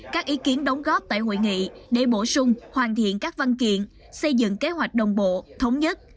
các ý kiến đóng góp tại hội nghị để bổ sung hoàn thiện các văn kiện xây dựng kế hoạch đồng bộ thống nhất